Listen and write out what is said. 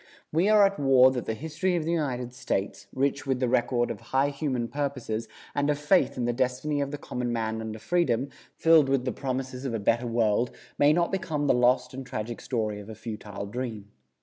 We are at war that the history of the United States, rich with the record of high human purposes, and of faith in the destiny of the common man under freedom, filled with the promises of a better world, may not become the lost and tragic story of a futile dream.